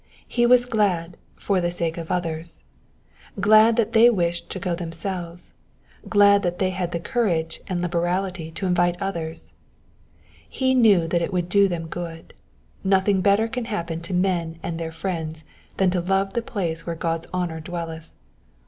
He was glad for the saTce of others : glad that they wished to go themselves, glad that they had the courage and liberality to invite others. He knew that it would do them good ; nothing better can happen to men and their friends than to love the place where God's honour dwelleth.